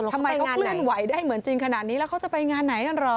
ทำไมเขาเคลื่อนไหวได้เหมือนจริงขนาดนี้แล้วเขาจะไปงานไหนกันเหรอ